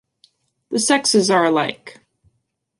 The sexes are alike.